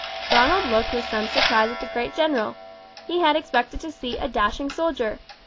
Ronald looked with some surprise at the great general. He had expected to see a dashing soldier.